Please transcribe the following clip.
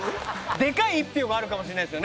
でかい１票があるかもしれないですよね？